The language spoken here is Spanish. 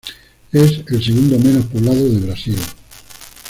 Es el segundo menos poblado del Brasil.